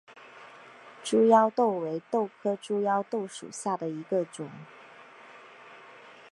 猪腰豆为豆科猪腰豆属下的一个种。